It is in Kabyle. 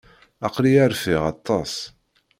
Aql-iyi rfiɣ aṭas.